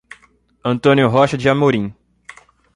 Antônio Rocha de Amorim